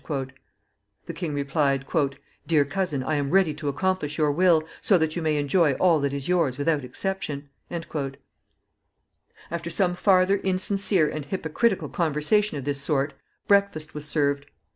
The king replied, "Dear cousin, I am ready to accomplish your will, so that you may enjoy all that is yours without exception." After some farther insincere and hypocritical conversation of this sort, breakfast was served.